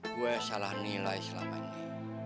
gue salah nilai selama ini